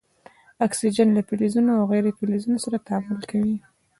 اکسیجن له فلزونو او غیر فلزونو سره تعامل کوي.